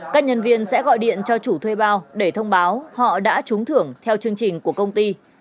các nhân viên sẽ gọi điện cho chủ thuê bao để thông báo họ đã trúng thưởng theo chương trình của công ty